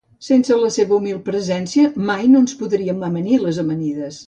Sense la seva humil presència mai no ens podríem amanir les amanides.